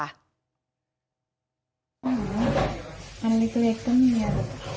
อันนี้เล็กก็มีอ่ะ